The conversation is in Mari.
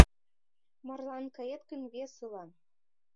Марлан кает гын весылан.